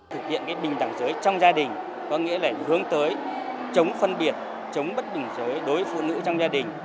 thực hiện bình đẳng giới trong gia đình có nghĩa là hướng tới chống phân biệt chống bất bình dối đối với phụ nữ trong gia đình